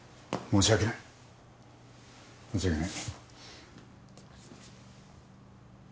申し訳ない。